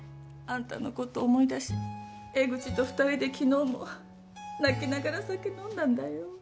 あんたのことを思い出して江口と２人で昨日も泣きながら酒飲んだんだよ。